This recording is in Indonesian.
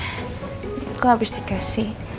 aku habis dikasih